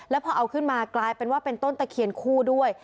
แล้วพอเอาขึ้นมากลายเป็นว่าเป็นต้นตะเคียนคู่ด้วย